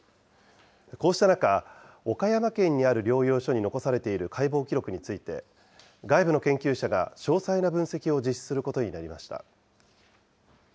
こうした中、岡山県にある療養所に残されている解剖記録について、外部の研究者が詳細な分析を実施することになりました。